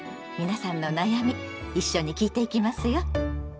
皆さんの悩み一緒に聞いていきますよ。